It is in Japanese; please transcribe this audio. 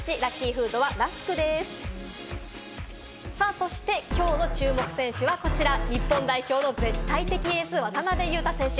そしてきょうの注目選手はこちら日本代表の絶対的エース・渡邊雄太選手。